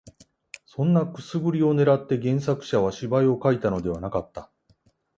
そんなくすぐりを狙って原作者は芝居を書いたのではなかった